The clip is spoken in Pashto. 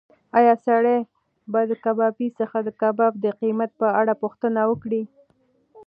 ایا سړی به د کبابي څخه د کباب د قیمت په اړه پوښتنه وکړي؟